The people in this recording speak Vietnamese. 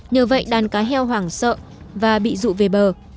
nhờ vậy đàn cá heo hoảng sợ và bị dụ về bờ